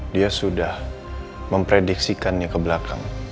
dia sudah memprediksikannya ke belakang